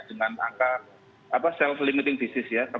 dengan angka self limiting disease ya